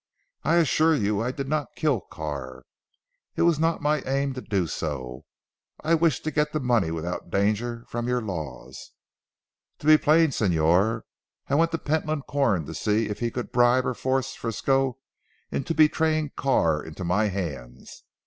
"I assure you I did not kill Carr. It was not my aim to do so. I wished to get the money without danger from your laws. To be plain Señor, I went to Pentland Corn, to see if he could bribe or force Frisco into betraying Carr into my hands.